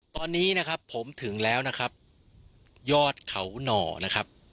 ตอนนี้นะครับผมถึงแล้วนะครับยอดเขาหน่อนะครับ